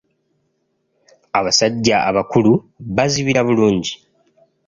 Abasajja abakulu bazibira bulungi.